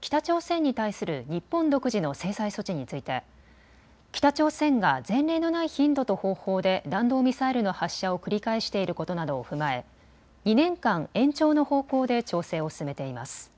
北朝鮮に対する日本独自の制裁措置について北朝鮮が前例のない頻度と方法で弾道ミサイルの発射を繰り返していることなどを踏まえ２年間延長の方向で調整を進めています。